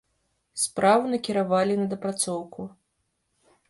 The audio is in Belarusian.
Справу накіравалі на дапрацоўку.